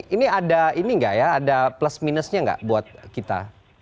ini ada ini nggak ya ada plus minusnya nggak buat kita